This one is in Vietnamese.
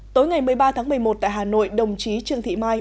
tối ngày một mươi ba tháng một mươi một tại hà nội đồng chí trương thị mai